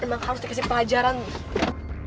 emang harus dikasih pelajaran gitu